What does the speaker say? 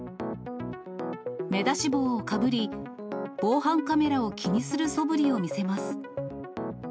目出し帽をかぶり、防犯カメラを気にするそぶりを見せます。